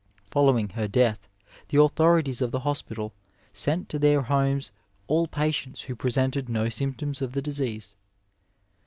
Following her death the authorities of the hospital sent to their homes all patients who presented no sjrmptoms of the disease.